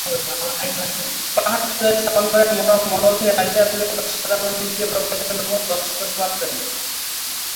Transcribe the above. পাহাড়ের চূড়ায় স্থাপন করা এই মনোরম মণ্ডল থেকে রানী তার প্রিয় প্রাসাদ এবং নীচ দিয়ে প্রবাহিত নর্মদা দর্শন করতে পারতেন।